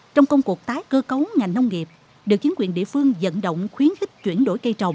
trong công cuộc tái cơ cấu ngành nông nghiệp được chính quyền địa phương dẫn động khuyến khích chuyển đổi cây trồng